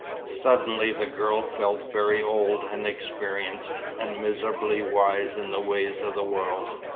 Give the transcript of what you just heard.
Suddenly the girl felt very old and experienced, and miserably wise in the ways of the world.